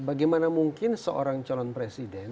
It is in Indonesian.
bagaimana mungkin seorang calon presiden